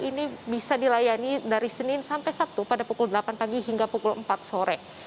ini bisa dilayani dari senin sampai sabtu pada pukul delapan pagi hingga pukul empat sore